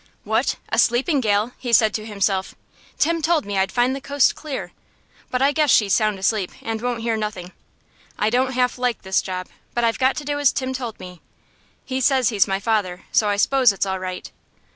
"What, a sleeping gal!" he said to himself. "Tim told me I'd find the coast clear, but I guess she's sound asleep, and won't hear nothing. I don't half like this job, but I've got to do as Tim told me. He says he's my father, so I s'pose it's all right.